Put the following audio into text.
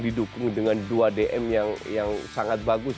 didukung dengan dua dm yang sangat bagus